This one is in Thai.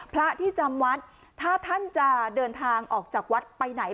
พระที่จำวัดถ้าท่านจะเดินทางออกจากวัดไปไหน